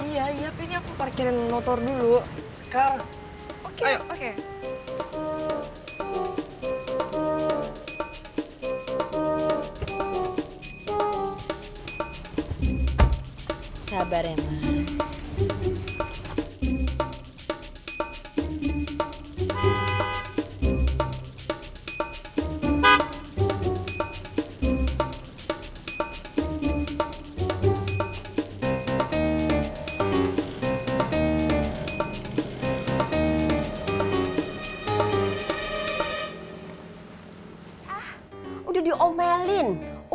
iya iya tapi ini aku parkirin motor dulu